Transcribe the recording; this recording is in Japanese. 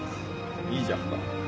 いいじゃんか。